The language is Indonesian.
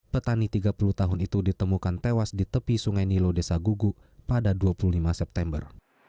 petani tiga puluh tahun itu ditemukan tewas di tepi sungai nilo desa gugu pada dua puluh lima september